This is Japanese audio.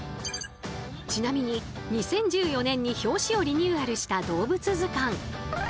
ちなみに２０１４年に表紙をリニューアルした動物図鑑。